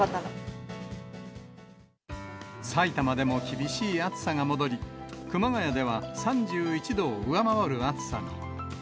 埼玉でも厳しい暑さが戻り、熊谷では３１度を上回る暑さに。